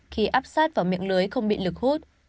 khi áp sát vào miệng lưới không bị lực hút